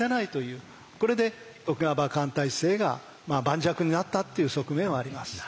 これで徳川幕藩体制が盤石になったっていう側面はあります。